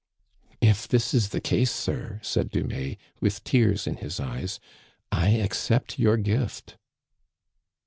*' If this is the case, sir," said Dumais, with tears in his eyes, I accept your gift."